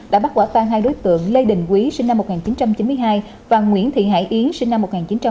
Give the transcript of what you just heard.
đã bắt quả tan hai đối tượng lê đình quý sinh năm một nghìn chín trăm chín mươi hai và nguyễn thị hải yến sinh năm một nghìn chín trăm tám mươi